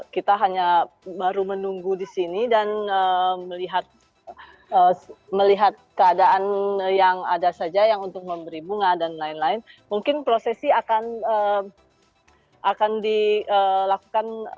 kita hanya baru menunggu di sini dan melihat keadaan yang ada saja yang untuk memberi bunga dan lain lain